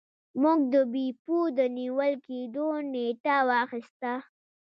موږ د بیپو د نیول کیدو نیټه واخیسته.